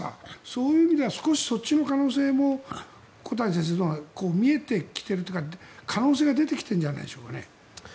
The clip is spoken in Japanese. そういう意味ではそっちの可能性も小谷先生見えてきているというか可能性が出てきているんじゃないですかね？